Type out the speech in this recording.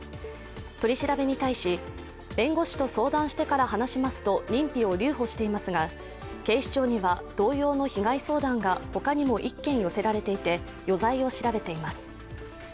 取り調べに対し、弁護士と相談してから話しますと認否を留保していますが、警視庁には同様の被害相談が他にも１件寄せられていて、余罪を調べています。